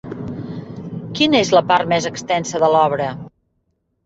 Quina és la part més extensa de l'obra?